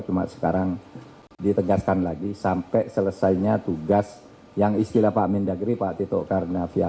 cuma sekarang ditegaskan lagi sampai selesainya tugas yang istilah pak mendagri pak tito karnavian